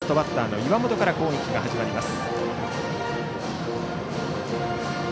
ラストバッターの岩本から攻撃が始まります。